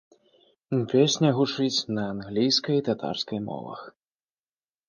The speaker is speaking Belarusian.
Песня гучыць на англійскай і татарскай мовах.